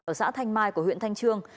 ở xã thanh mai của huyện thanh trương